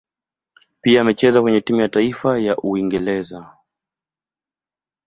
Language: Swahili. Pia amecheza kwenye timu ya taifa ya Uingereza.